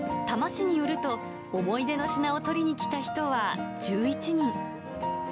多摩市によると、思い出の品を取りに来た人は１１人。